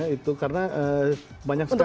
itu karena banyak sekali